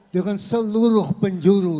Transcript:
dengan seluruh penjuru